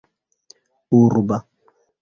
urba